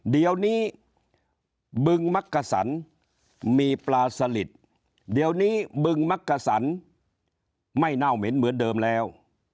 เดี๋ยวนี้บึงมักกะสันมีปลาสลิดเดี๋ยวนี้บึงมักกะสันไม่เน่าเหม็นเหมือนเดิมแล้ว